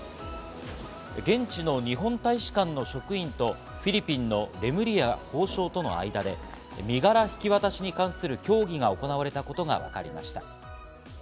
現地の日本大使館の職員とフィリピンのレムリヤ法相との間で身柄引き渡しに関する協議が行われたことがわかりました。